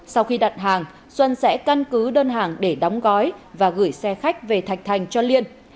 sau khi đặt hàng xuân sẽ căn cứ đơn hàng để đóng gói và gửi xe khách về thạch thành cho liên